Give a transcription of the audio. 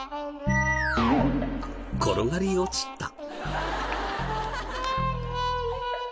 転がり落ちた。